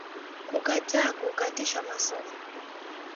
Kukataa kukatishwa masomo